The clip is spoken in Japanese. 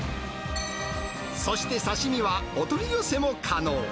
そして刺身は、お取り寄せも可能。